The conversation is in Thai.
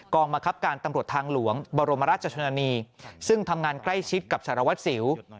บังคับการตำรวจทางหลวงบรมราชชนนานีซึ่งทำงานใกล้ชิดกับสารวัตรสิว